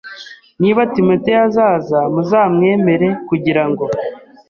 Niba Timoteyo azaza muzamwemere kugira ngo